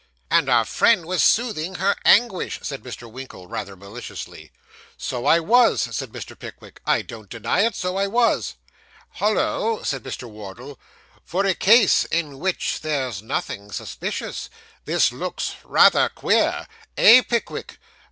'And our friend was soothing her anguish,' said Mr. Winkle, rather maliciously. 'So I was,' said Mr. Pickwick. 'I don't deny it. So I was.' 'Hollo!' said Wardle; 'for a case in which there's nothing suspicious, this looks rather queer eh, Pickwick?